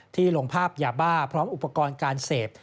ลงภาพยาบ้าพร้อมอุปกรณ์การเสพ